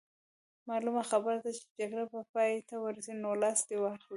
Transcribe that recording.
معلومه خبره ده چې جګړه به پای ته ورسي، نو لاس دې واخلي.